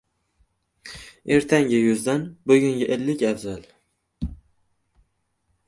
• Ertangi yuzdan bugungi ellik afzal.